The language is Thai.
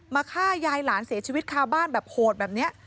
ฆ่ายายหลานเสียชีวิตคาบ้านแบบโหดแบบนี้